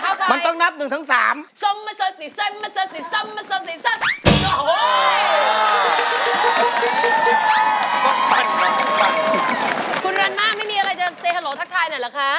คุณรันม่าไม่มีอะไรจะเซฮาโหลทักทายหน่อยเหรอคะ